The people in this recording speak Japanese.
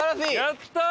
やったー！